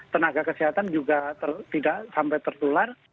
tenaga kesehatan juga tidak sampai tertular